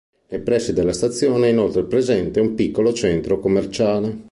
Nei pressi della stazione è inoltre presente un piccolo centro commerciale.